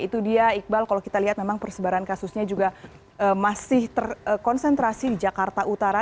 itu dia iqbal kalau kita lihat memang persebaran kasusnya juga masih terkonsentrasi di jakarta utara